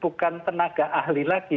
bukan tenaga ahli lagi